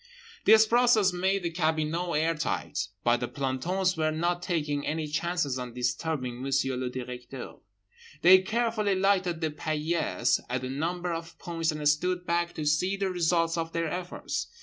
This process made the cabinot air tight. But the plantons were not taking any chances on disturbing Monsieur le Directeur. They carefully lighted the paillasse at a number of points and stood back to see the results of their efforts.